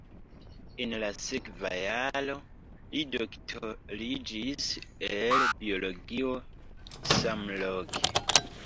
En la sekva jaro li doktoriĝis el biologio samloke.